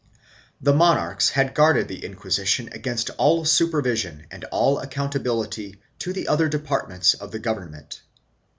The rnonarchs had guarded the Inquisition against all super vision and all accountability to the other departments of govern ment.